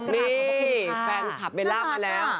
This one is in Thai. นี่แฟนคลับเบลล่ามาแล้ว